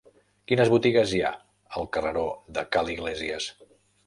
Quines botigues hi ha al carreró de Ca l'Iglésies?